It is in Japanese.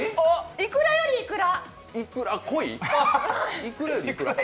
いくらよりいくら！